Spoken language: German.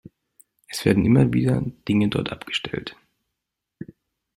Es werden immer wieder Dinge dort abgestellt.